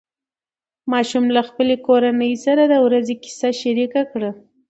ماشوم له خپلې کورنۍ سره د ورځې کیسه شریکه کړه